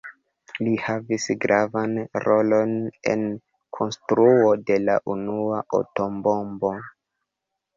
Li havis gravan rolon en konstruo de la unua atombombo.